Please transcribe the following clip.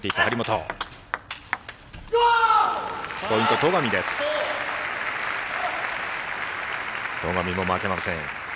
戸上も負けません。